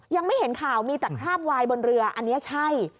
ยังไม่เห็นข่าวมีแต่คราบวายบนเรืออันนี้ใช่